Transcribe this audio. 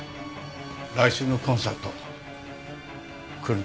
来週のコンサート来るんだろ？